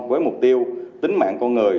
với mục tiêu tính mạng con người